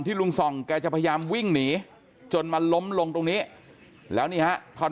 ลุงส่องแกจะพยายามวิ่งหนีจนมาล้มลงตรงนี้แล้วนี่ฮะพอ